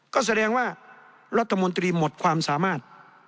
ก็แสดงว่ารัฐมนตรีหมดความสามารถ